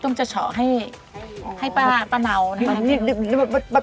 จะเฉาะให้ป้าเนานะครับ